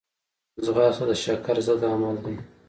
ځغاسته د شکر ضد عمل دی